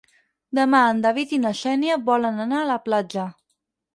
Demà en David i na Xènia volen anar a la platja.